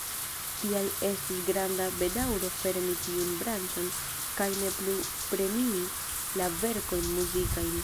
Tial estus granda bedaŭro fermi tiun branĉon kaj ne plu premii la verkojn muzikajn.